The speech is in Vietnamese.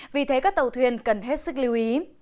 vì thế các tàu thuyền cần hết sức lưu ý